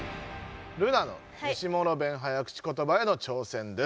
ルナの西諸弁早口ことばへの挑戦です。